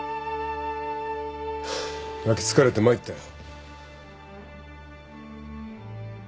泣き付かれて参ったよ。